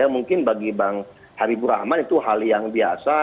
mungkin bagi bang habibur rahman itu hal yang biasa